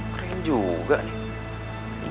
keren juga nek